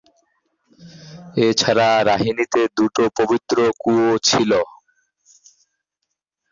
এছাড়া, রাহিনিতে দুটো পবিত্র কুয়ো ছিল।